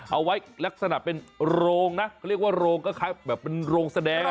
ลักษณะเป็นโรงนะเขาเรียกว่าโรงก็คล้ายแบบเป็นโรงแสดง